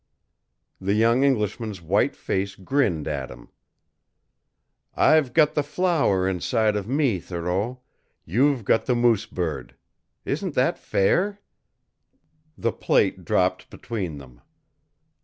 The young Englishman's white face grinned at him. "I've got the flour inside of me, Thoreau you've got the moose bird. Isn't that fair?" The plate dropped between them.